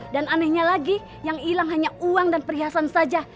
dan anehnya lagi yang hilang hanya uang dan perhiasan saja